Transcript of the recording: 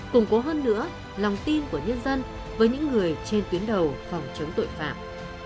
củng cố hơn nữa lòng tin của nhân dân với những người trên tuyến đầu phòng chống tội phạm